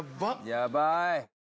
やばい。